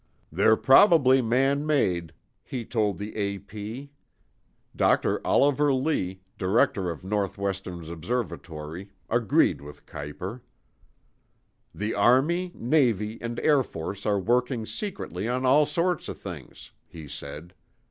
"They're probably man made," he told the A.P. Dr. Oliver Lee, director of Northwestern's observatory, agreed with Kieuper. "The Army, Navy, and Air Force are working secretly on all sorts of things," he said.